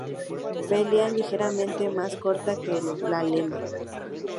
Pálea ligeramente más corta que la lema.